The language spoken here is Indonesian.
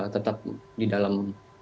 tetap di dalam